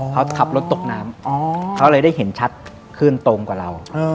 เขาขับรถตกน้ำเขาเลยได้เห็นชัดขึ้นตรงกว่าเรา